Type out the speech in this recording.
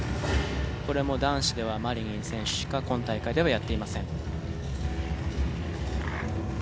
これも男子ではマリニン選手しか今大会ではやっていません。